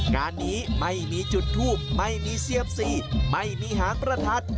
งานนี้ไม่มีจุดทูบไม่มีเซียมซีไม่มีหางประทัด